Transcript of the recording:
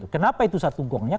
kenapa itu satu gongnya